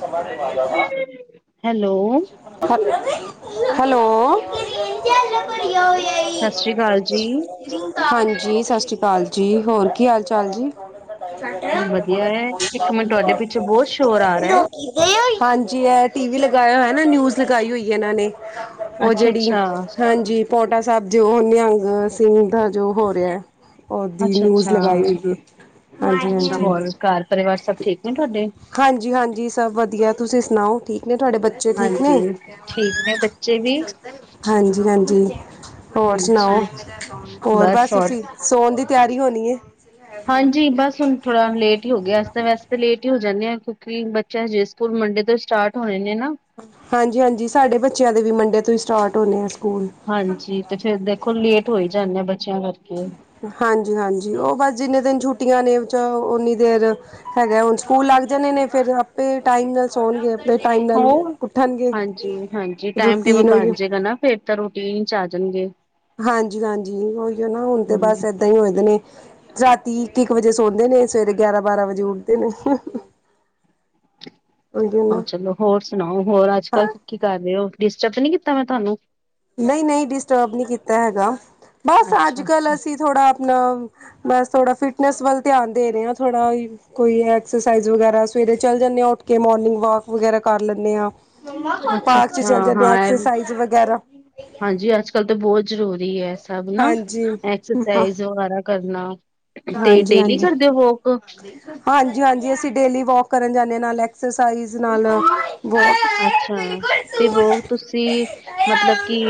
ਸਮਾ। Hello, [unintelligible] hello. ਸਤਿ ਸ੍ਰੀ ਅਕਾਲ ਜੀ। ਹਾਂਜੀ ਸਤਿ ਸ਼੍ਰੀ ਅਕਾਲ ਜੀ, ਹੋਰ ਕੀ ਹਾਲ ਚਾਲ ਜੀ। ਵਧੀਆ ਹੈ, ਇੱਕ ਮਿੰਟ ਤੁਹਾਡੇ [unintelligible] ਪਿੱਛੇ ਬਹੁਤ ਸ਼ੋਰ ਆ ਰਿਹਾ ਹੈ। ਲੋਕੀ ਹਾਂਜੀ ਐ ਟੀਵੀ ਲਗਾਇਆ ਹੋਇਆ, ਨਾ ਨਿਊਜ਼ ਲਗਾਈ ਹੋਈ ਆ ਇਹਨਾਂ ਨੇ, ਉਹ ਅੱਛਾ ਜਿਹੜੀ, ਅੱਛਾ, ਹਾਂਜੀ ਪੋੰਟਾ ਸਾਹਿਬ ਜੋ, ਨਿਹੰਗ ਸਿੰਘ ਦਾ ਜੋ ਹੋਰ ਉਹਦੀ, ਅੱਛਾ ਨਿਊਜ਼ ਅੱਛਾ, ਲਗਾਈ ਹੋਈ ਏ, ਹਾਂਜੀ-ਹਾਂਜੀ। ਘਰ-ਪਰਿਵਾਰ ਸਭ ਠੀਕ ਨੇ, ਤੁਹਾਡੇ? ਹਾਂਜੀ-ਹਾਂਜੀ, ਸਭ ਵਧੀਆ। ਤੁਸੀਂ ਸੁਣਾਓ, ਠੀਕ ਨੇ ਤੁਹਾਡੇ ਬੱ? ਹਾਂਜੀ, ਠੀਕ ਨੇ ਬੱਚੇ ਵੀ। ਹਾਂਜੀ-ਹਾਂਜੀ, ਹੋਰ ਸੁਣਾਓ? ਹਾਂਜੀ। ਹੋਰ ਬਸ ਤੁਸੀ ਸੋਨ ਦੀ ਤਿਆਰੀ ਹੋਣੀ ਏ। ਹਾਂਜੀ, ਬਸ ਹੁਣ ਥੋੜਾ ਲੇਟ ਹੀ ਹੋਗਿਆ, ਤਾਂ ਵੈਸੇ ਤਾਂ ਲੇਟ ਹੋ ਜਾਂਨੇ ਆਂ, ਕਿਉਂਕਿ ਬੱਚਿਆ ਹਜੇ ਸਕੂਲ ਮੰਡੇ ਤੋਂ ਸਟਾਰਟ ਹੋਏ ਨੇ, ਨਾ। ਹਾਂਜੀ-ਹਾਂਜੀ, ਸਾਡੇ ਬੱਚਿਆਂ ਦੇ ਵੀ ਮੰਡੇ ਤੋਂ ਹੀ ਸਟਾਰਟ ਹੋਣੇ ਆ ਸਕੂਲ। ਹਾਂਜੀ। ਤੇ ਫੇਰ ਦੇਖੋ ਲੇਟ ਹੋ ਹੀ ਜਾਂਨੇ ਆਂ, ਬੱਚਿਆਂ ਕਰਕੇ। ਹਾਂਜੀ-ਹਾਂਜੀ। ਉਹ ਬਸ ਜਿੰਨੇ ਦਿਨ ਛੁੱਟੀਆਂ ਨੇ ਚੋ ਓਹਨੀ ਦੇਰ ਹੈਗਾ ਏ, ਹੁਣ ਸਕੂਲ ਲੱਗ ਜਾਣੇ ਨੇ ਫਿਰ ਆਪੇ ਟਾਈਮ ਨਾਲ ਸੌਣਗੇ ਤੇ ਟਾਇਮ ਨਾਲ ਹੋਰ ਉੱਠਣਗੇ, ਹਾਂਜੀ ਹਾਂਜੀ ਟਾਈਮ ਟੇਬਲ ਰੂਟੀਨ ਬਣ ਓਈਓ। ਜਾਏਗਾ ਨਾ ਫੇਰ ਤਾ ਰੂਟੀਨ'ਚ ਆ ਜਾਣਗੇ। ਹਾਂਜੀ-ਹਾਂਜੀ। ਓਹੀਓ ਨਾ, ਹੁਣ ਤੇ ਹਮ ਬਸ ਏਦਾਂ ਹੀ ਹੋਇਆਂ ਦੇ ਨੇ। ਰ੍ਹਾਤੀ ਇੱਕ-ਇੱਕ ਵਜੇ ਸੌਦੇ ਨੇ, ਸਵੇਰੇ ਗਿਆਰਾਂ, ਬਾਰਾਂ ਵਜੇ ਉੱਠਦੇ ਨੇ। [unintelligible] ਹਾਂ ਨਾ ਚਲੋ ਹੋਰ ਸੁਣਾਓ, ਹੋਰ, ਅੱਜ -ਕੱਲ ਹਾਂ ਕੀ ਕਰ ਰਹੇ ਹੋ? ਡਿਸਟਰਬ ਤੇ ਨਹੀਂ ਕੀਤਾ ਮੈਂ ਤੁਹਾਨੂੰ? ਨਹੀਂ-ਨਹੀਂ, ਡਿਸਟਰਬ ਨਹੀਂ ਕੀਤਾ ਹੈਗਾ। ਬਸ, ਅੱਛਾ ਅੱਜ-ਕੱਲ ਅੱਛਾ ਅਸੀ ਥੋੜਾ ਆਪਨਾ ਬਸ ਥੋੜਾ, ਫਿਟਨੈਸ ਵੱਲ ਧਿਆਨ ਦੇ ਰਹੇ ਆਂ, ਥੋੜਾ ਓਹ। ਕੋਈ ਐਕਸਰਸਾਈਜ਼ ਵਗੈਰਾ, ਸਵੇਰੇ ਚੱਲ ਜਾਂਦੇ ਹਾਂ ਉੱਠਕੇ, ਮੋਰਨਿੰਗ ਵਾਕ ਵਗੈਰਾ ਕਰ ਲੈਂਨੇ ਆਂ। ਅੱਛਾ ਪਾਰਕ'ਚ ਅੱਛਾ ਚਲ ਜਾਂਨੇ ਆ, ਹਾਂ ਇਹ ਵੀ ਐਕਸਰਸਾਈਜ਼ ਵਗੈਰਾ। ਹਾਂਜੀ, ਅੱਜ-ਕੱਲ ਤੇ ਬਹੁਤ ਜ਼ਰੂਰੀ ਹੈ, ਸਭ ਨਾ ਹਾਂਜੀ ਐਕਸਰਸਾਈਜ਼ ਵਗੈਰਾ। ਕਰਨਾ, ਤੇ ਡੇਲੀ ਕਰਦੇ ਹੋ ਵੋਕ? ਹਾਂਜੀ-ਹਾਂਜੀ, ਅਸੀਂ ਡੇਲੀ ਵੌਕ ਕਰਨ ਜਾਂਨੇ ਆ, ਨਾਲ ਐਕਸਰਸਾਈਜ਼, ਨਾਲ ਵੌ ਅੱਛਾ। ਤੇ, ਵੋਕ ਤੁਸੀਂ ਮਤਲਬ ਕਿ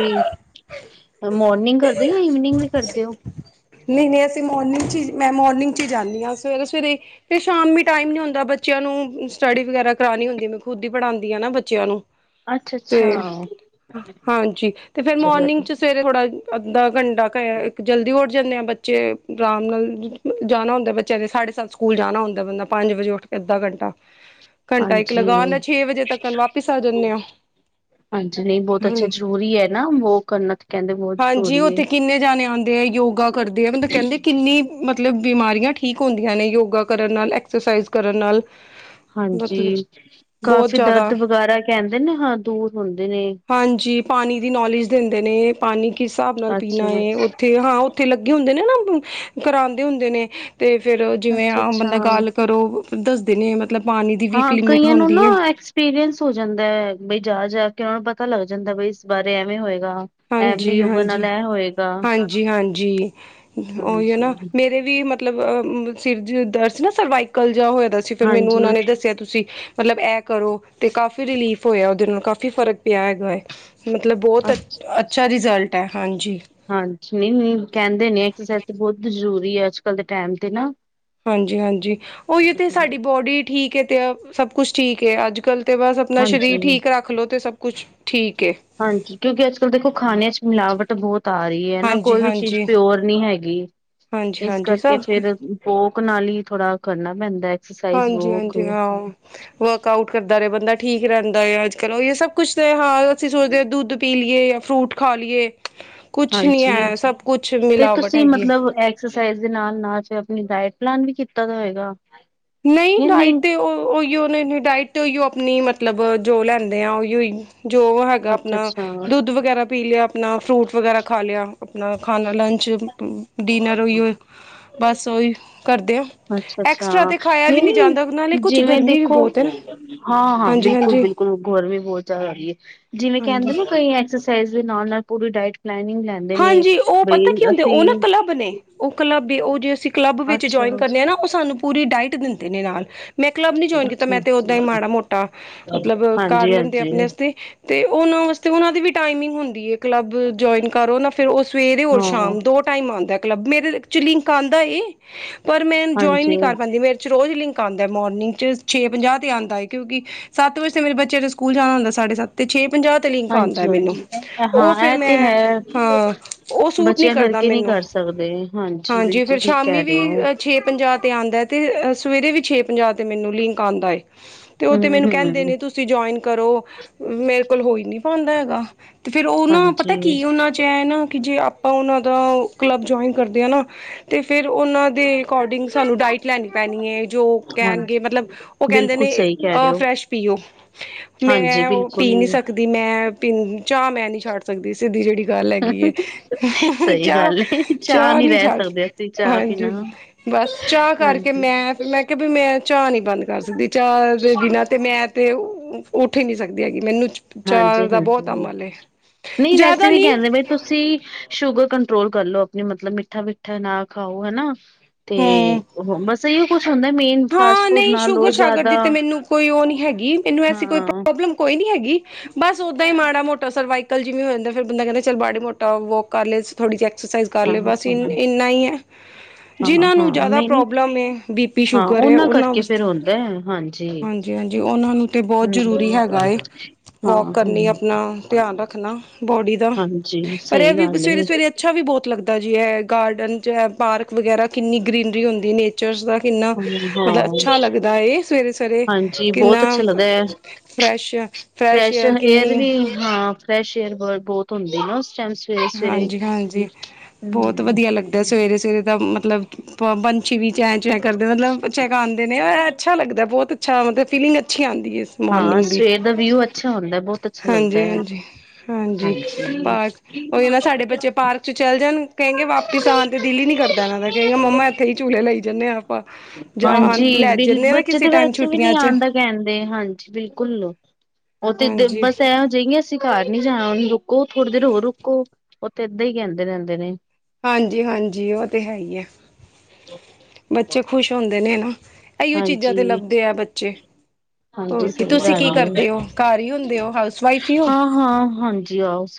ਮੌਰਨਿੰਗ ਕਰਦੇ ਓ, ਯਾ ਈਵਨੀਂਗ ਵੀ ਕਰਦੇ ਓ? ਨਹੀਂ ਨਹੀਂ, ਅਸੀਂ ਮੋਰਨਿੰਗ 'ਚ ਹੀ, ''ਮੈਂ ਮੋਰਨਿੰਗ 'ਚ ਹੀ ਜਾਂਨੀ ਆਂ, ਸਵੇਰੇ-ਸਵੇਰੇ ਤੇ ਸ਼ਾਮੀ ਟਾਈਮ ਨੀ ਹੁੰਦਾ ਬੱਚਿਆਂ ਨੂੰ, ਸਟੱਡੀ ਵਗੈਰਾ ਕਰਾਣੀ ਹੁੰਦੀ, ਮੈਂ ਖੁਦ ਹੀ ਪੜ੍ਹਾਂਦੀ ਆ ਨਾ, ਬੱਚਿਆਂ ਨੂੰ। ਅੱਛਾ ਤੇ, ਅੱਛਾ ਹਾਂਜੀ। ਤੇ ਫੇਰ ਚਲੋ ਮੋਰਨਿੰਗ'ਚ ਸਵੇਰੇ ਥੋੜਾ ਅੱਧਾ ਘੰਟਾ, ਕ ਇੱਕ ਜਲਦੀ ਉਠ ਜਾਂਨੇ ਆ, ਬੱਚੇ ਅਰਾਮ ਨਾਲ ਜਾਣਾ ਹੁੰਦਾ ਬੱਚਿਆਂ ਦੇ ਸਾਢੇ-ਸੱਤ ਸਕੂਲ ਜਾਣਾ ਹੁੰਦਾ, ਬੰਦਾ ਪੰਜ ਵਜੇ ਉੱਠ ਕ ਅਧਾ ਘੰਟਾ, ਘੰਟਾ ਇੱਕ ਹਾਂਜੀ ਲਗਾਲੇ ਛੇ-ਵਜੇ ਤੱਕਨ ਵਾਪੀਸ ਆ ਜਾਂਨੇ ਆ। ਹਾਂਜੀ, ਨਹੀਂ ਬਹੁਤ ਅੱਛਾ। ਜ਼ਰੂਰੀ ਏ ਨਾ ਵੋਕ ਕਰਨਾ ਤੇ ਕਹਿੰਦੇ ਬਹੁਤ ਜ਼ਰੂਰੀ ਏ। ਗਾ ਕਰਦੀ ਹੈ ਮਤਲਬ ਕਹਿੰਦੇ ਕਿੰਨੀ ਮਤਲਬ ਬਿਮਾਰੀਆਂ ਠੀਕ ਹੁੰਦੀਆਂ ਨੇ। ਯੋਗਾ ਕਰਨ ਨਾਲ, ਐਕਸਰਸਾਈਜ਼ ਕਰਨ ਨਾਲ। ਮਤਲਬ ਹਾਂਜੀ, ਬਹੁਤ ਕਾਫੀ ਜ਼ਿਆਦਾ ਦਰਦ ਵਗੈਰਾ ਕਹਿੰਦੇ ਨੇ ਹਾਂ, ਦੂਰ ਹੁੰਦੇ ਨੇ। ਹਾਂਜੀ। ਪਾਣੀ ਦੀ ਨੌਲੇਜ ਦਿੰਦੇ ਨੇ, ਪਾਣੀ ਕਿਸ ਹਿਸਾਬ ਨਾਲ ਪੀਣਾ ਅੱਛਾ। ਏ, ਉੱਥੇ ਹਾਂ ਉ ਉੱਥੇ ਲੱਗੇ ਹੁੰਦੇ ਨੇ ਨਾ, ਕਰਾਂਦੇ ਹੁੰਦੇ ਨੇ, ਤੇ ਫੇਰ ਜਿਵੇਂ ਆਮ ਅੱਛਾ-ਅੱਛਾ। ਬੰਦਾ ਗੱਲ ਕਰੋ, ਦੱਸਦੇ ਨੇ ਮਤਲਬ ਪਾਣੀ ਦੀ ਵੀ ਇਕ ਲਿਮੀਟ ਹੁੰਦੀ ਏ। ਪੀਰੀਅੰਸ ਹੋ ਜਾਂਦੈ, ਬਈ ਜਾ-ਜਾਕੇ ਉਹ ਪਤਾ ਲੱਗ ਜਾਂਦਾ ਬਈ ਇਸ ਬਾਰੇ ਐਵੇਂ ਹੋਇਗਾ। ਹਾਂਜੀ-ਹਾਂਜੀ, ਹਾਂਜੀ-ਹਾਂਜੀ। ਉਹੀਓ ਨਾ, ਹਾਂਜੀ। ਮੇਰੇ ਵੀ ਮਤ ਮਤਲਬ ਅ ਸਿਰ ਜ ਦਰਦ ਸੀ ਨਾ, ਸਰਵਾਈਕਲ ਜੇ ਹੋਇਅਦਾ ਸੀ, ਫਿਰ ਮੈਨੂੰ ਉਹਨਾਂ ਹਾਂਜੀ ਨੇ ਦੱਸਿਆ ਤੁਸੀ ਮਤਲਬ ਐ ਕਰੋ, ਤੇ ਕਾਫੀ ਰਿਲੀਫ ਹੋਇਆ ਉਹਦੇ ਨਾਲ, ਕਾਫੀ ਫ਼ਰਕ ਪਿਆ ਹੈਗਾ ਏ। ਮਤਲਬ ਬਹੁਤ ਅੱਛਾ ਰਿਜ਼ਲਟ ਐ, ਹਾਂਜੀ। ਹਾਂਜੀ, ਨਹੀਂ- ਨਹੀਂ ਕਹਿੰਦੇ ਨੇ, ਐਕਸਰਸਾਈਜ਼ ਤੇ ਬਹੁਤ ਜ਼ਰੂਰੀ ਏ, ਅੱਜ-ਕੱਲ ਦੇ ਟਾਈਮ ਤੇ ਨਾ। ਹਾਂਜੀ-ਹਾਂਜੀ, ਓਹੀਓ ਤੇ ਸਾਡੀ ਬੌਡੀ ਠੀਕ ਏ, ਤੇ ਸਭ ਕੁਛ ਠੀਕ ਏ। ਅੱਜ-ਕੱਲ ਤੇ ਬਸ ਅਪਣਾ ਸਰੀਰ ਹਾਂਜੀ। ਠੀਕ ਰੱਖ ਲੋ, ਤੇ ਸਭ ਕੁੱਛ ਠੀਕ ਏ। ਹਾਂਜੀ। ਕਿਉਂਕਿ ਅੱਜ ਕਲ ਦੇਖੋ ਖਾਣੇ 'ਚ ਮਿਲਾਵਟ ਬਹੁਤ ਆ ਰਹੀ। ਏ ਨਾ ਕੋਈ ਵੀ ਚੀਜ਼ ਹਾਂਜੀ-ਹਾਂਜੀ, ਪਿਓਰ ਨੀ ਹੈਗੀ, ਇਸ ਹਾਂਜੀ-ਹਾਂਜੀ ਕਰਕੇ ਸਭ ਕੁ ਫੇਰ ਕੋੋਕ ਨਾਲ ਈ ਥੋੜਾ ਕਰਨਾ ਪੈਂਦਾ। ਐਕਸਰਸਾਈਜ਼ ਹਾਂਜੀ- ਵੋਕ ਹਾਂਜੀ। ਹਾਂ ਵਰਕ ਆਊਟ ਕਰਦਾ ਰਹੇ ਬੰਦਾ ਠੀਕ ਰਹਿੰਦਾ ਏ ਅਜ ਚਲੋ ਇਹ ਸਭ ਕੁਛ ਤੇ ਹਾਂ ਅਸੀਂ ਸੋਚਦੇ ਦੁੱਧ ਪੀ ਲੀਏ, ਫਰੂਟ ਖਾ ਲੀਏ। ਕੁਛ ਨੀ ਹਾਂਜੀ ਹੈ, ਸਭ ਕੁਛ ਮਿਲਾਵਟ ਹੈਗੀ। ਸੁਜਾਨ ਨਾਲ ਫਿਰ ਆਪ ਡਾਇਟ ਪਲਾਨ ਵੀ ਕੀਤਾ ਦਾ ਹੋਗਾ ਨਹੀਂ ਡਾਇਟ ਤੇ ਉਹੀਓ ਨੇ ਡਾਇਟ ਤੇ ਉਹੀਓ ਅਪਣੀ ਮਤਲਬ ਜੋ ਲੈਂਦੇ ਉਹੀ ਉਹੀ ਜੋ ਹੈਗਾ ਅੱਛਾ ਅਪਣਾ ਅੱਛਾ ਦੁੱਧ ਵਗੈਰਾ ਪੀ ਲਿਆ ਆਪਣਾ ਫਰੂਟ ਵਗੈਰਾ ਖਾ ਲਿਆ। ਆਪਣਾ ਖਾਣਾ ਲੰਚ ਡਿਨਰ ਓਹੇ, ਬਸ ਉਹੀ ਕਰਦੇ। ਅੱਛਾ -ਅੱਛਾ। ਐਕਸਟਰਾ ਤੇ ਖਾਇਆ ਵੀ ਨਹੀਂ ਰੀਅਲੀ ਜਾਂਦਾ ਨਾਲੇ ਕੁਛ ਜਿਵੇਂ ਗਰਮੀ ਵੀ ਦੇਖੋ। ਬਹੁਤ ਹੈ ਨਾ ਹਾਂ- ਹਾਂ, ਹਾਂਜੀ-ਹਾਂਜੀ, ਬਿਲਕੁਲ- ਹਾਂਜੀ। ਬਿਲਕੁਲ ਗਰਮੀ ਬਹੁਤ ਜ਼ਿਆਦਾ ਹੋ ਰਹੀ ਹੈ ਜਿਵੇਂ ਹਾਂਜੀ ਕਹਿੰਦੇ ਨਾ ਐਕਸਰਸਾਈਜ਼ ਦੇ ਨਾਲ- ਨਾਲ ਪੂਰੀ ਡਾਇਟ ਪਲੈਨਿੰਗ ਲੈਂ ਹਾਂਜੀ ਉਹ ਪਤਾ ਕੀ ਹੁੰਦੇ, ਉਹ ਨਾ ਕਲੱਬ ਨੇ ਉਹ ਕਲੱਬ, ਉਹ ਜੇ ਅਸੀਂ ਕਲੱਬ ਵਿੱਚ ਜੁਆਇੰਨ ਅੱਛਾ ਕਰਦੇ ਹਾਂ ਨਾ, ਉਹ ਸਾਨੂੰ ਪੂਰੀ ਡਾਇਟ ਦਿੰਦੇ ਨੇ ਨਾਲ ਮੈਂ ਕਲੱਬ ਨੀ ਜੁਆਇੰਨ ਕੀਤਾ, ਅੱਛਾ ਮੈਂ ਤੇ ਓਦਾਂ ਹੀ ਮਾੜਾ ਮੋਟਾ, ਮਤਲਬ ਕਰ ਹਾਂਜੀ ਲੈਂਦੇ ਹਾਂਜੀ ਆਪਣੇ ਵਸਤੇ ਤੇ ਉਹਨਾਂ ਵਾਸਤੇ ਉਹਨਾਂ ਦੀ ਵੀ ਟਾਈਮਿੰਗ ਹੁੰਦੀ ਹੈ ਕਲੱਬ ਜੁਆਇਨ ਕਰੋ ਨਾ ਫਿਰ ਉਹ ਸਵੇਰੇ ਹੋਰ ਹਾਂ ਸ਼ਾਮ ਦੋ ਟਾਈਮ ਆਉਂਦਾ ਕਲੱਬ, ਮੇਰੇ 'ਚ ਲਿੰਕ ਆਉਂਦਾ ਏ ਪਰ ਮੈਂ ਜੁਆਇੰਨ ਨੀ ਹਾਂਜੀ ਕਰ ਪਾਉਂਦੀ ਮੇਰੇ ਰੋਜ਼ ਲਿੰਕ ਆਉਦਾ ਮੋਰਨਿੰਗ 'ਚ, ਛੇ ਪੰਜਾਹ 'ਤੇ ਆਉਂਦਾ ਹੈ ਕਿਉਂਕਿ ਸੱਤ ਵਜੇ ਤੇ ਮੇਰੇ ਬਚਿਆਂ ਨੇ ਸਕੂਲ ਜਾਣਾ ਹੁੰਦਾ। ਸਾਢੇ ਸਤ ਤੇ ਛੇ ਪੰਜਾਹ ਤੇ ਤੇ ਲਿੰਕ ਆਉਦਾ ਹਾਂਜੀ ਮੈਨੂੰ, ਹਾਂਜੀ ਹਾਂ ਉਹ ਫਿਰ ਇਹ ਤੇ ਮੈਂ ਹੈ ਹਾਂ ਉਹ ਸੂਟ ਨੀ ਬੱਚਿਆਂ ਕਰਦਾ ਕਰਕੇ ਨਹੀਂ ਮੈਨੂੰ। ਕਰ ਸਕਦੇ ਹਾਂਜੀ ਬਿਲਕੁਲ ਫੇਰ ਠੀਕ ਸ਼ਾਮੀ ਕਹਿ ਵੀ ਰਹੇ ਹੋ ਛੇ ਪੰਜਾਹ ਤੇ ਆਂਉਦਾ ਏ ਤੇ ਸਵੇਰੇ ਵੀ ਛੇ ਪੰਜਾਹ ਤੇ ਮੈਨੂੰ ਲਿੰਕ ਆਉਂਦਾ ਏ। ਤੇ ਉਹ ਤੇ ਮੈਨੂੰ ਹਮ ਕਹਿੰਦੇ ਹਮ ਨੇ ਤੁਸੀ ਜੁਆਇੰਨ ਕਰੋ। ਮੇਰੇ ਕੋਲ ਹੋਈ ਨੀ ਪਾਂਉਦਾ ਹੈਗਾ, ਤੇ ਫੇਰ ਉਹ ਨਾਂ ਪਤਾ ਹਾਂਜੀ ਕੀ ਉਹਨਾਂ ਚੈਨਕ ਜੇ ਆਪਾਂ ਉਹਨਾਂ ਦਾ ਕਲੱਬ ਜੁਆਇੰਨ ਕਰਦੇ ਆ ਨਾ ਤੇ ਫੇਰ ਉਹਨਾਂ ਦੇ ਅਕੋਡਿੰਗ ਸਾਨੂੰ ਡਾਇਟ ਲੈਣੀ ਪੈਣੀ ਏ ਜੋ ਉਹ ਹਾਂ ਕਹਿਣਗੇ, ਮਤਲਬ ਉਹ ਕਹਿੰਦੇ ਬਿਲਕੁਲ ਨੇ ਸਹੀ ਕਹਿ ਰਹੇ ਅ ਹੋ ਫਰੈਸ਼ ਪੀਓ। ਹਾਂਜੀ ਮੈਂ ਉਹ ਪੀ ਨੀ ਬਿਲਕੁਲ ਸਕਦੀ। ਮੈਂ ਪੀਂ ਚਾਹ ਮੈਂ ਨੀ ਛੱਡ ਸਕਦੀ, ਸਿੱਧੀ ਜਿਹੜੀ ਗੱਲ ਹੈਗੀ ਹੈ, ਸਹੀ ਚਾਹ, ਗੱਲ ਹੈ ਚਾਹ ਨਹੀਂ ਨੀ ਰਹਿ ਛੱਡ ਸਕਦੇ ਅਸੀਂ ਚਾਹ ਹਾਂਜੀ ਬਿਨਾਂ ਬਸ ਚਾਹ ਕਰਕੇ ਹਾਂਜੀ ਮੈਂ, ਮੈਂ ਕਿਹਾ ਵੀ ਮੈਂ ਚਾਹ ਨਹੀਂ ਬੰਦ ਕਰ ਸਕਦੀ ਚਾਹ ਦੇ ਬਿਨਾਂ ਤੇ ਮੈਂ ਤੇ ਉੱਠ ਹੀ ਨਹੀਂ ਸਕਦੀ ਹੈਗੀ, ਮੈਨੂੰ ਚਾਹ ਹਾਂਜੀ- ਦਾ ਹਾਂਜੀ, ਬਹੁਤ ਅਮਲ ਏ ਨਹੀਂ ਵੈਸੇ ਜ਼ਿਆਦਾ ਵੀ ਨੀ ਕਹਿੰਦੇ ਬ ਤੁਸੀਂ ਸ਼ੂਗਰ ਕੰਟਰੋਲ ਕਰ ਲੋ ਆਪਣੀ, ਮਤਲਬ ਮਿੱਠਾ- ਮਿੱਠਾ ਨਾ ਖਾਓ ਹਨਾ ਤੇ, ਹੂੰ ਬਸ ਇਹੋ ਕੁਛ ਹੁੰਦਾ ਮੇਨ ਫਾਸਟ ਹਾਂ, ਫੂਡ ਨਹੀਂ ਨਾ ਸ਼ੂਗਰ ਲਓ -ਸ਼ਾਗਰ ਜ਼ਿਆਦਾ ਦੀ ਤੇ ਮੈਨੂੰ ਕੋਈ ਉਹ ਨਹੀਂ ਹੈਗੀ, ਮੈਨੂੰ ਐਸੀ ਕੋਈ ਹਾਂ। ਪ੍ਰੋਬ ਕੋਈ ਨੀ ਹੈਗੀ, ਬਸ ਓਦਾਂ ਹੀ ਮਾੜਾ ਮੋਟਾ ਸਰਵਾਈਵ ਕ ਜਿਵੇਂ ਹੋ ਜਾਂਦਾ ਫਿਰ ਬੰਦਾ ਕਹਿੰਦਾ ਚ ਮਾੜਾ ਮੋਟਾ ਵੋਕ ਕਰ ਲ ਥੋੜ੍ਹੀ ਜਿਹੀ ਐਕਸਰਸਾਈਜ਼ ਕਰ ਹਾਂ ਲਏ, ਬਸ ਇਨ ਹਾਂ ਇੰਨਾ ਹੀ ਹੈ ਹਾਂ ਜਿਨ੍ਹਾਂ ਨੂੰ ਹਾਂ ਜ਼ਿਆਦਾ ਨਹੀਂ ਨਹੀਂ ਪ੍ਰੋਬਲਮ ਹੈ ਬੀ ਪੀ ਹਾਂ ਸ਼ੂਗਰ ਹੈ ਉਹਨਾਂ ਕਰਕੇ ਫੇਰ ਵਾਸਤੇ, ਹੁੰਦਾ ਹੈ। ਹਾਂਜੀ ਹਾਂਜੀ- ਹਾਂਜੀ ਉਹਨਾਂ ਨੂੰ ਤੇ ਬਹੁਤ ਜਰੂਰੀ ਹੈਗਾ ਹਮ ਏ ਹਾਂ ਵੋਕ ਕਰਨੀ ਹਮ ਆਪਣਾ ਧਿਆਨ ਰੱਖਣਾ ਬੋਡੀ ਦਾ, ਹਾਂਜੀ ਪਰ ਇਹ ਸਹੀ ਵੀ ਗੱਲ ਸਵੇਰੇ- ਏ ਸਵੇਰੇ ਅੱਛਾ ਅੱਛਾ ਵੀ ਬਹੁਤ ਲੱਗਦਾ ਜੀ ਹੈ, ਇਹ ਗਾਰਡਨ 'ਚ ਪਾਰਕ ਵਗੈਰਾ ਕਿੰਨੀ ਗ੍ਰਰੀਨਰੀ ਹੁੰਦੀ ਹੈ ਨੇਚਰ ਦਾ ਕਿੰਨਾ, ਮਤਲਬ ਹਾਂ ਅੱਛਾ ਲੱਗਦਾ ਇਹ ਸਵੇਰੇ -ਸਵੇਰੇ, ਹਾਂਜੀ ਬਹੁਤ ਕਿੰਨਾ ਅੱਛਾ ਲੱਗਦਾ ਹੈ। ਫਰੈਸ਼ ਫਰੈਸ਼ ਏਅਰ ਵੀ, ਹਾਂ ਫਰੈਸ਼ ਏਅਰ ਬਹੁਤ ਹੁੰਦੀ ਨਾ ਉਸ ਟਾਈਮ 'ਚ ਹਾਂਜੀ- ਹਾਂਜੀ ਬਹੁਤ ਵਧੀਆ ਲੱਗਦਾ ਸਵੇਰੇ ਸਵੇਰੇ ਦਾ ਮਤਲਬ, ਪੰਛੀ ਵੀ ਚੈਂ ਚੈੰ ਕਰਦੇ ਮਤਲਬ ਅਛਾ ਗਉਦੇ ਨੇ ਅੱਛਾ ਲਗਦਾ ਬਹੁਤ ਅੱਛਾ ਮਤਲਬ ਫੀਲਿੰਗ ਅੱਛੀ ਆਉਂਦੀ ਹਾਂ ਮੋਰਨਿੰਗ ਦੀ ਸਵੇਰ ਦਾ ਵਿਊ ਅੱਛਾ ਹੁੰਦਾ ਹੈ, ਬਹੁਤ ਹਾਂਜੀ- ਅੱਛਾ ਲੱਗਦਾ ਹੈ। ਹਾਂਜੀ- ਹਾਂਜੀ ਉਹੀ ਨਾ ਸਾਡੇ ਬੱਚੇ ਪਾਰਕ 'ਚ ਚੱਲ ਜਾਣ ਕਹਿੰਗੇ ਵਾਪਿਸ ਆਉਣ ਤੇ ਦਿਲ ਹੀ ਨਹੀਂ ਕਰਦਾ ਇਹਨਾਂ ਦਾ, ਕਹਿੰਦਾ ਮੰਮਾ ਹੀ ਝੂਲੇ ਲਈ ਜਾਂਦੇ ਹਾਂ ਆਪਾਂ ਜਾਂ ਹਾਂਜੀ ਲੈ ਬਿਲ ਜਾਂਦੇ ਹਾਂ ਨਾ ਬੱਚੇ ਕਿਸੇ ਤੇ ਟਾਈਮ ਵੈਸੇ ਵੀ ਛੁੱਟੀਆਂ ਨਹੀਂ 'ਚ ਆਉਣ ਦਾ ਕਹਿੰਦੇ ਹਾਂਜੀ ਬਿਲਕੁਲ ਉਹ ਤੇ ਇਧਰ ਹਾਂਜੀ, ਬਸ ਇਹੋ ਜਿ ਅਸੀਂ ਘਰ ਨੀ ਜਾਣਾ ਉਹਨੂੰ ਰੁ ਰੁਕੋ ਥੋੜੀ ਦੇਰ ਹੋਰ ਰੁਕੋ ਉਹ ਤੇ ਏਦਾਂ ਹੀ ਕਹਿੰਦੇ ਰਹਿੰਦੇ ਨੇ। ਹਾਂਜੀ- ਹਾਂਜੀ ਉਹ ਤੇ ਹੈ ਹੀ ਆ ਬੱਚੇ ਖ਼ੁਸ਼ ਹੁੰਦੇ ਨੇ ਨਾ। ਇਹੀਓ ਚੀਜ਼ਾਂ ਤੇ ਹਾਂਜੀ ਲੱਭਦੇ ਆ ਬੱਚੇ ਹਾਂਜੀ ਹੋਰ ਕੀ ਸਹੀ ਤੁਸੀਂ ਕੀ ਗੱਲ ਕਰਦੇ ਹੈ। ਹੋ ਘਰ ਹੀ ਹੁੰਦੇ ਹੋ ਹਾਊਸ ਵਾਈਫ ਹੀ ਹੋ।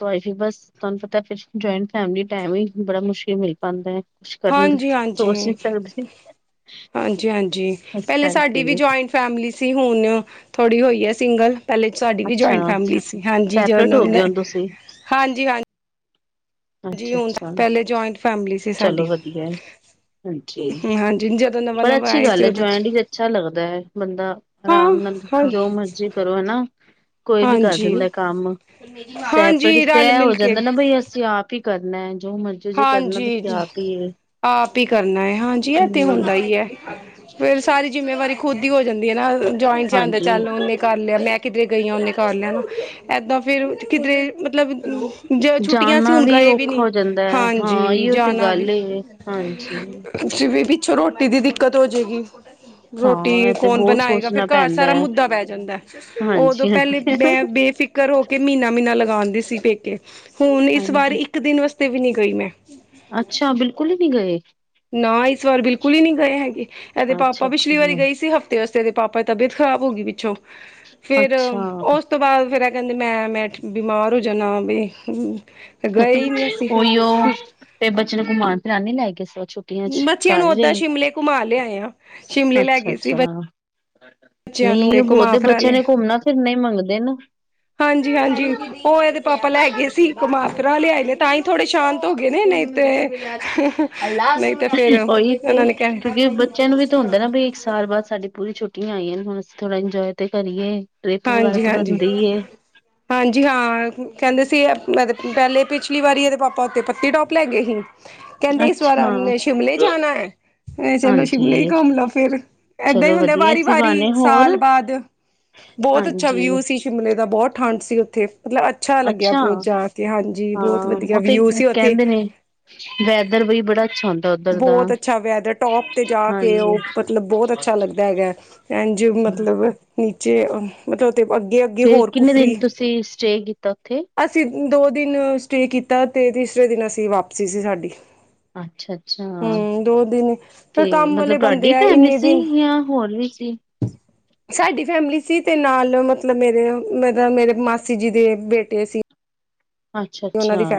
ਬਸ ਜੀ ਬਸ ਤੁਹਾਨੂੰ ਪਤਾ ਜਇੰਟ ਫੈਮਿਲੀ ਟੈਮ ਹੀ ਬੜਾ ਮੁਸ਼ਕਿਲ ਮਿਲ ਪੈਂਦਾ। ਕੁਛ ਕਰਨ ਦੀ ਸੋਚ ਨੀ ਸਕਦੇ। ਹਾਂਜੀ -ਹਾਂਜੀ ਇਸ ਪਹਿਲੇ ਸਾਡੀ ਕਰਕੇ ਵੀ ਜੁਆਇੰਟ ਫੈਮਲੀ ਸੀ ਹੁਣ ਥੋੜ੍ਹੀ ਹੋਈ ਹੈ ਸਿੰਗਲ ਪਹਿਲੇ ਸਾਡੀ ਵੀ ਅੱਛਾ ਜੁਆਇੰਟ ਫੈਮਿਲੀ ਸੀ ਹਾਂਜੀ ਜਦ ਸੈਪਰੇਟ ਹੋ ਗਏ ਹਾਂਜੀ- ਹੋ ਤੁਸੀਂ ਹਾਂਜੀ। ਹਾਂਜੀ ਅੱਛਾ ਹੁਣ ਅੱਛਾ ਪਹਿਲੇ ਜੁਆਇੰਟ ਫੈਮਿਲੀ ਸੀ। ਚਲੋ ਸਾਡੀ ਵਧੀਆ ਹਾਂਜੀ ਹਾਂਜੀ ਜਦੋਂ ਪਰ ਨਵਾਂ-ਨਵਾਂ ਅੱਛੀ ਆਏ ਗੱਲ ਸੀ ਹੈ ਉਦੋਂ ਜੁਆਇਡ ਅੱਛਾ ਲੱਗਦਾ ਹੈ ਬੰਦਾ ਹਾਂ ਆਰਾਮ ਨਾਲ ਹਾਂ ਜੋ ਮਰਜ਼ੀ ਕਰੋ ਹਨਾ ਕੋਈ ਵੀ ਕਰ ਦਿੰਦਾ ਹਾਂਜੀ-ਹਾਂਜੀ ਕੰਮ ਸੈਪਰੜ ਸ ਰਲ ਹੋ ਮਿਲ ਕੇ ਜਾਂਦਾ ਨਾ ਬਈ ਅਸੀਂ ਆਪ ਹੀ ਕਰਨਾ ਹੈ ਜੋ ਮਰਜ਼ੀ ਜੇ ਕਰਨਾ ਹਾਂਜੀ ਆਪ ਹੀ ਏ। ਆਪ ਹੀ ਕਰਨਾ ਹੈ ਹਾਂਜੀ ਇਹ ਤੇ ਹੂੰ, ਹੁੰਦਾ ਹੀ ਹੈ ਫੇਰ ਸਾਰੀ ਜਿੰਮੇਵਾਰੀ ਖੁਦ ਹੀ ਹੋ ਜਾਂਦੀ ਹੈ ਨਾ ਜੁਆਇੰਟ ਜਾਂ ਆਂਦਾ ਹਾਂਜੀ। ਚੱਲ ਉਹਨੇ ਕਰ ਲਿਆ ਮੈਂ ਕਿੱਧਰੇ ਗਈ ਹਾਂ ਉਹਨੇ ਕਰ ਲਿਆਂ ਨੂੰ ਇੱਦਾਂ ਫਿਰ ਕਿਧਰੇ ਮਤਲਬ ਜ ਛੁੱਟੀਆਂ ਸੀ ਜਾਣਾ ਹੁਣ ਵੀ ਗਏ ਔਖਾ ਨੀ ਹੋ ਜਾਂਦਾ ਹੈ ਹਾਂ ਹਾਂਜੀ ਇਹਓ ਤੇ ਗੱਲ ਹਾਂਜੀ। ਤੁਸੀਂ ਵੀ ਪਿੱਛੋਂ ਰੋਟੀ ਦੀ ਦਿੱਕਤ ਹੋ ਜਾਏਗੀ। ਰੋਟੀ ਹਾਂ ਇਹ ਤੇ ਕੌਣ ਬਹੁਤ ਬਣਾਏਗਾ ਫਿਰ ਸੋਚਣਾ ਘਰ ਪੈਂਦਾ ਸਾਰਾ ਹੈ ਮੁੱਦਾ ਪੈ ਜਾਂਦਾ ਉਦੋਂ ਪਹਿਲੇ ਹਾਂਜੀ-ਹਾਂਜੀ। ਮੈਂ ਬੇਫਿਕ ਘਰ ਹੋ ਕੇ ਮਹੀਨਾ- ਮਹੀਨਾ ਲਗਾਉਂਦੀ ਸੀ ਪੇਕੇ ਹੁਣ ਇਸ ਵਾਰ ਹਾਂਜੀ, ਇੱਕ ਦਿਨ ਵਾਸਤੇ ਵੀ ਨੀ ਗਈ ਮੈਂ ਅੱਛਾ ਬਿਲਕੁਲ ਹੀ ਨਹੀਂ ਗਏ। ਨਾ ਇਸ ਵਾਰ ਬਿਲਕੁਲ ਹੀ ਨਹੀਂ ਗਏ ਹੈਗੇ ਇਹਦੇ ਪਾਪਾ ਪਿਛਲੀ ਵਾਰੀ ਅੱਛਾ-ਅੱਛਾ, ਗਏ ਸੀ ਹ ਵਤੇ ਦੇ ਪਾਪਾ ਦੀ ਤਬੀਅਤ ਖਰਾਬ ਹੋ ਗਈ ਪਿੱਛੋਂ ਫਿਰ ਉਸ ਅੱਛਾ। ਉਸ ਤੋਂ ਬਾਅਦ ਫਿਰ ਕਹਿੰਦੇ ਮੈਂ -ਮੈਂ ਬਿਮਾਰ ਹੋ ਜਾਣਾ ਵੀ ਗਏ ਹੀ ਨਹੀਂ ਅਸੀਂ ਫਿਰ ਉਹੀ ਉਹ ਤੇ ਬੱਚੇ ਨੂੰ ਘਮਾਣ ਤੇ ਨੀ ਲੈ ਗਏ ਛੁ ਛੁਟੀਆਂ 'ਚ ਬੱਚਿਆਂ ਕਰ ਨੂੰ ਹੀ ਓਦਾਂ ਰਹੇ ਸ਼ਿਮਲੇ ਘੁਮਾ ਲਿਆਏ ਆ ਸ਼ਿਮਲੇ ਲੈ ਅੱਛਾ ਗਏ ਸੀ -ਅੱਛਾ। ਬੱਚਿਆਂ ਨੂੰ ਨਹੀਂ ਉਹ ਘੁਮਾ ਬਹੁਤੇ ਫਿਰਾ ਬੱਚਿਆਂ ਨੇ ਲਿਆਏ ਘੁੰਮਨਾ ਫਿਰਨਾ ਹੀ ਮੰਗਦੇ ਨ ਹਾਂਜੀ -ਹਾਂਜੀ ਉਹ ਇਹਦੇ ਪਾਪਾ ਲੈ ਗਏ ਸੀ। ਘੁਮਾ ਫਿਰਾ ਲਿਆਏ ਨੇ ਤਾਂ ਹੀ ਥੋੜੇ ਸ਼ਾਂਤ ਹੋ ਗਏ ਨੇ ਨਹੀਂ ਤੇ [inaudible] ਉਹੀ ਇੱਥੇ ਉਹਨਾਂ ਨੇ ਕਹਿ ਕਿਉਂਕਿ ਬੱਚਿਆਂ ਨੂੰ ਵੀ ਤਾਂ ਹੁੰਦਾ ਨਾ ਬ ਇੱਕ ਸਾਲ ਬਾਅਦ ਸਾਡੀੇ ਪੂਰੀ ਛੁੱਟੀਆਂ ਆਈਆਂ ਨੇ ਹੁਣ ਅਸੀਂ ਥੋੜ੍ਹਾ ਇੰਜੋਏ ਤੇ ਕਰੀਏ ਟਰਿਪ ਵਗੈਰਾ ਹਾਂਜੀ ਤਾਂ ਹਾਂਜੀ ਬਣਦੀ ਹੀ ਏ। ਹਾਂਜੀ ਹਾਂ ਕਹਿੰਦੇ ਸੀ ਮ ਪਹਿਲੇ ਪਿਛਲੀ ਵਾਰੀ ਇਹਦੇ ਪਾਪਾ ਉਥੇ ਪਟਨੀਟੋਪ ਲੈ ਗਏ ਸੀ। ਕਹਿੰਦੇ ਇਸ ਵਾਰ ਅੱਛਾ ਨੇ ਸ਼ਿਮਲੇ ਜਾਣਾ। ਇਹ ਚਲੋ ਸ਼ਿਮਲੇ ਹੀ ਹਾਂਜੀ ਘੁੰਮ ਲਓ ਫਿਰ ਏਦਾਂ ਹੀ ਚਲੋ ਹੁੰਦਾ ਵਧੀਆ ਵਾਰੀ- ਇਸੀ ਵਾਰੀ ਬਹਾਨੇ ਹੋਰ ਸਾਲ ਬਾਅਦ ਬਹੁਤ ਅੱਛਾ ਹਾਂਜੀ ਵਿਊ ਸੀ ਸ਼ਿਮਲੇ ਦਾ ਬਹੁਤ ਠੰਢ ਸੀ ਉਥੇ ਮਤਲਬ ਅੱ ਅੱਛਾ ਲੱਗਿਆ ਬਹੁਤ ਜਾ ਕੇ ਹਾਂਜੀ ਹਾਂ ਬਹੁਤ ਵਧੀਆ ਉਹ ਤੇ ਵਿਊ ਸੀ ਉੱਥੇ ਕਹਿੰਦੇ ਨੇ ਵੈਦਰ ਵੀ ਬੜਾ ਅੱਛਾ ਹੁੰਦ ਬਹੁਤ ਅੱਛਾ ਵੈਦਰ ਟੋਪ ਤੇ ਜਾ ਕੇ ਹਾਂਜੀ ਉਹ ਮਤਲਬ ਬਹੁਤ ਅੱਛਾ ਲੱਗਦਾ ਹੈਗਾ। ਇੰਝ ਮਤਲਬ ਨੀਚੇ ਮਤਲਬ ਤੇ ਅੱਗੇ- ਅੱਗੇ ਤੇ ਹੋਰ ਕਿੰਨੇ ਦਿਨ ਕੁਫਰੀ ਤੁਸੀਂ ਸਟੇ ਕੀਤਾ ਉੱਥੇ? ਅਸੀਂ ਦੋ ਦਿਨ ਸਟੇਅ ਕੀਤਾ ਅਤੇ ਤੀਸਰੇ ਦਿਨ ਅਸੀਂ ਵਾਪਸੀ ਸੀ ਸਾਡੀ ਅੱਛਾ-ਅੱਛਾ ਹੂੰ ਦੋ ਦਿਨ ਤੇ ਫਿਰ ਕੰਮ ਮਤਲਬ ਵਾਲੇ ਬੰਦੇ ਤੁਹਾਡੀ ਆਏ ਫੈਮਲੀ ਇੰਨੇ ਸੀ ਦਿਨ ਜਾਂ ਹੋਰ ਵੀ ਸੀ। [inaudible] ਸਾਡੀ ਫੈਮਿਲੀ ਸੀ ਤੇ ਨਾਲ ਮਤਲਬ ਮੇਰੇ ਮ ਮੇਰੇ ਮਾਸੀ ਜੀ ਦੇ ਬੇਟੇ ਸੀ। ਅੱਛਾ ਉਹਨਾਂ ਅੱਛਾ ਦੀ ਫੈ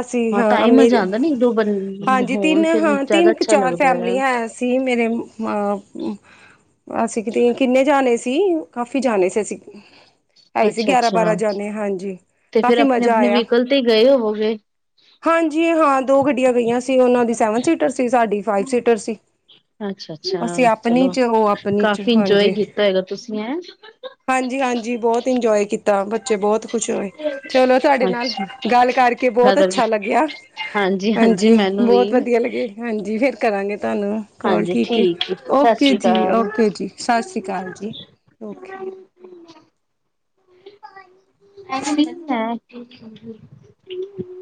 ਅਸੀਂ ਤਾਂ ਹਾਂ ਹੀ ਮੀ ਮਜ਼ਾ ਆਉਂਦਾ ਨਾ ਇੱਕ ਦੋ ਬੰ ਹਾਂਜੀ ਤਿੰਨ ਹੋਣ ਫਿਰ ਹਾਂ ਜ਼ਿਆਦਾ ਤਿੰਨ ਅੱਛਾ ਚਾਰ ਲੱਗਦਾ ਫੈਮਲੀਆਂ ਹੈ ਸੀ। ਸੀ ਮੇਰੇ ਅਸੀਂ ਕਿ ਕਿੰਨੇ ਜਾਣੇ ਸੀ। ਕਾਫ਼ੀ ਜਾਣੇ ਸੀ ਅਸੀਂ ਹੈ ਹੀ ਸੀ ਅੱਛਾ ਗਿਆਰਾਂ ਬਾਰਾਂ ਅੱਛਾ ਜਾਣੇ ਹਾਂਜੀ। ਤੇ ਫੇਿਰ ਕਾਫ਼ੀ ਆਪਣੇ ਮਜ਼ਾ ਆਪਣੇ ਆਇਆ। ਵਹੀਕਲ ਤੇ ਹੀ ਗਏ ਹੋਵੋਗੇ। ਹਾਂਜੀ ਹਾਂ ਦੋ ਗੱਡੀਆਂ ਗਈਆਂ ਸੀ ਉਹਨਾਂ ਦੀ ਸੈਵਨ ਸੀਟਰ ਸੀ ਸਾਡੀ ਫਾਈਵ ਸੀਟਰ ਸੀ। ਅੱਛਾ, ਅੱਛਾ ਅਸੀਂ ਆਪਣੀ ਚਲੋ ਚ ਉਹ ਆਪਣੀ ਚ ਕਾਫੀ ਇੰਜੋਏ ਕੀਤਾ ਹੈਗਾ ਤੁਸੀਂ ਐਂ। ਹਾਂਜੀ ਹਾਂਜੀ ਬਹੁਤ ਇੰਜੋਏ ਕੀਤਾ ਬੱਚੇ ਬਹੁਤ ਖੁਸ਼ ਹੋਏ ਚਲੋ ਤੁਹਾਡੇ ਨਾਲ ਅੱਛਾ ਗੱਲ ਕਰਕੇ ਬਹੁਤ ਅੱਛਾ ਲੱਗਿਆ ਹਾਂਜੀ ਬਹੁਤ ਵਧੀਆ ਲੱਗੇ। ਹਾਂਜੀ ਫਿਰ ਕਰਾਂਗੇ ਤੁਹਾਨੂੰ ਕੋਲ ਹਾਂਜੀ ਠੀਕ ਹੈ ਸਤਿ ਓਕੇ ਸ੍ਰੀ ਜੀ, ਓਕੇ ਜੀ। ਸਤਿ ਸ਼੍ਰੀ ਅਕਾਲ ਜੀ ਓਕੇ। ਹੈ [unintelligible]